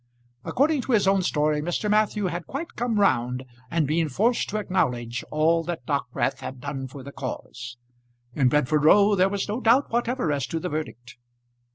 According to his own story Mr. Matthew had quite come round and been forced to acknowledge all that Dockwrath had done for the cause. In Bedford Row there was no doubt whatever as to the verdict.